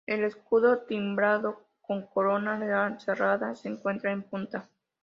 El escudo, timbrado con corona real cerrada, se encuentra en punta.